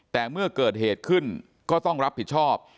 แต่เมื่อเกิดเหตุขึ้นก็ต้องรับผิดชอบ